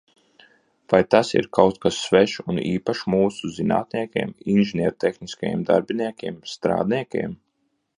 Vai tas ir kaut kas svešs un īpašs mūsu zinātniekiem, inženiertehniskajiem darbiniekiem, strādniekiem?